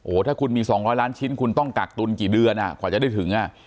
ถ้าคุณมี๒๐๐ล้านชิ้นคุณต้องกักตุลกี่เดือนกว่าจะได้ถึง